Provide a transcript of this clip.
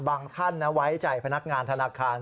บางขั้นไว้ใจพนักงานธนาคาร